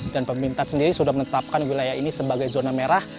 dan pemerintah sendiri sudah menetapkan wilayah ini sebagai zona merah